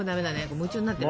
夢中になってるね。